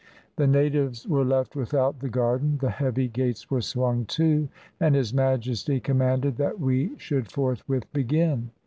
The natives were left without the garden, the heavy gates were swung to, and His Majesty commanded that we should forthwith begin.